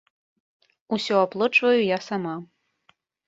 Усё аплочваю я сама.